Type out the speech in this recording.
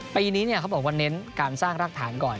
ปีนี้เขาบอกว่าเน้นการสร้างรากฐานก่อน